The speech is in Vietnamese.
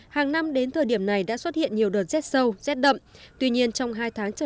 hàng năm đến thời điểm này đã xuất hiện nhiều đợt rét sâu rét đậm tuy nhiên trong hai tháng trở lại